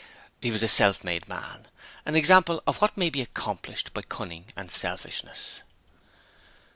He was a self made man: an example of what may be accomplished by cunning and selfishness.